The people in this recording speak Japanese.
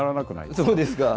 そうですか。